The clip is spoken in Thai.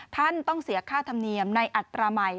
ท่านต้องเสียค่าธรรมเนียมในอัตราใหม่